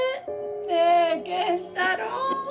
ねえ健太郎。